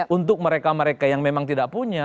untuk mereka mereka yang memang tidak punya